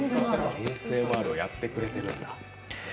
ＡＳＭＲをやってくれてるんだ。